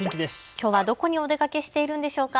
きょうはどこにお出かけしているんでしょうか。